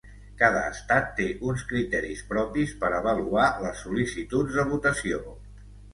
Cada estat té uns criteris propis per avaluar les sol·licituds de votació